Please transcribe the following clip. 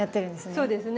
そうですね。